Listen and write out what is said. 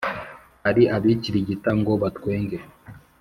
Hari abikirigita ngo batwenge,